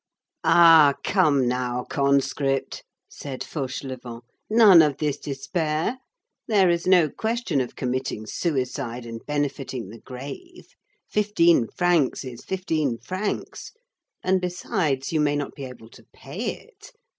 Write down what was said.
"Ah, come now, conscript," said Fauchelevent, "none of this despair. There is no question of committing suicide and benefiting the grave. Fifteen francs is fifteen francs, and besides, you may not be able to pay it.